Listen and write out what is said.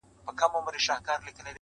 مرم د بې وخته تقاضاوو، په حجم کي د ژوند.